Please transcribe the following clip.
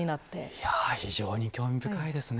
いや非常に興味深いですね。